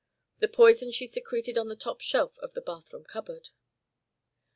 The poison she secreted on the top shelf of the bathroom cupboard.